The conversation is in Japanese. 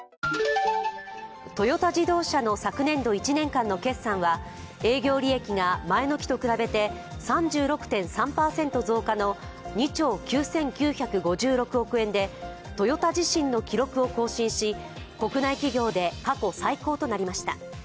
トヨタ自動車の昨年度１年間の決算は営業利益が前の期と比べて３６．３％増加の２兆９９５６億円でトヨタ自身の記録を更新し国内企業で過去最高となりました。